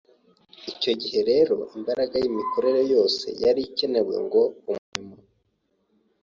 Icyo gihe rero, imbaraga y’imikorere yose yari ikenewe ngo umurimo